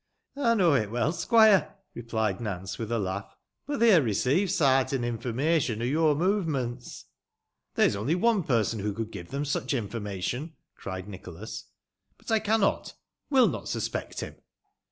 "Ey knoa it weel, squoire," replied Nance, with a laugh; " boh they ba' received sartin hiformation o' your moTements." " There is only one person who could give them such Informa tion," cried Nicholas ;" but I cannot, wül not suspect him."